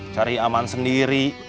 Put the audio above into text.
cari aman sendiri